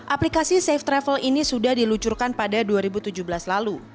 aplikasi safe travel ini sudah diluncurkan pada dua ribu tujuh belas lalu